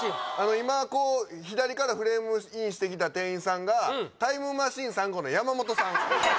今こう左からフレームインしてきた店員さんがタイムマシーン３号の山本さん